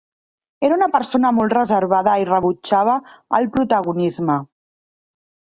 Era una persona molt reservada i rebutjava el protagonisme.